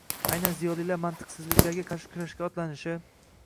– aynan ziyolilar mantiqsizliklarga qarshi kurashga otlanishi